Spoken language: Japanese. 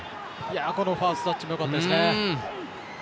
ファーストタッチもよかったですね。